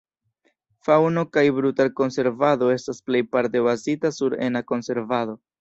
Faŭno- kaj brutar-konservado estas plejparte bazita sur ena konservado.